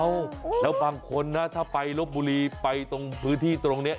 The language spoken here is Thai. แล้วบางคนนะถ้าไปลบบุรีไปตรงพื้นที่ตรงนี้